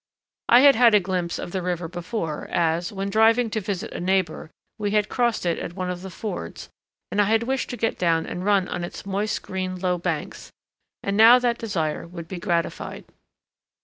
I had had a glimpse of the river before, as, when driving to visit a neighbour, we had crossed it at one of the fords and I had wished to get down and run on its moist green low banks, and now that desire would be gratified.